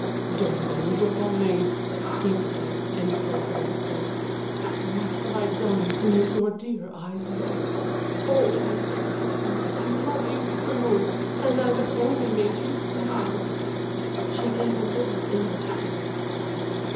"Darling darling," he said, incoherently, "what have I done to make your dear eyes wet? Oh, I love you so, I love you so, and I have only made you sad." She gave a little, inarticulate cry.